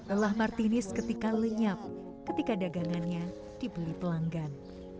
elah martini seketika lenyap ketika dagangannya dibeli pelanggan